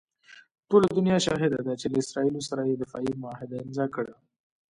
ټوله دنیا شاهده ده چې له اسراییلو سره یې دفاعي معاهده امضاء کړه.